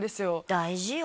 大事よ